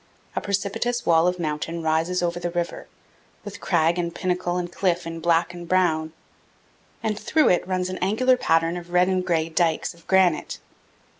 A precipitous wall of mountain rises over the river, with crag and pinnacle and cliff in black and brown, and through it runs an angular pattern of red and gray dikes of granite.